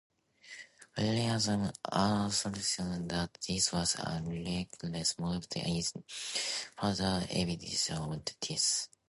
William's assertion that this was a reckless move is further evidence of this.